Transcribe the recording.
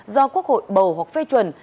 do quốc hội bầu hoặc phê chuẩn